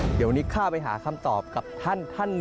เดี๋ยววันนี้เข้าไปหาคำตอบกับท่านท่าน